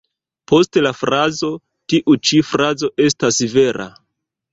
Poste la frazo ""Tiu ĉi frazo estas vera.